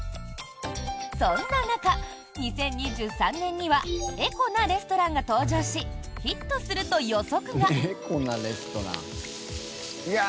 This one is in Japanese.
そんな中、２０２３年にはエコなレストランが登場しヒットすると予測が。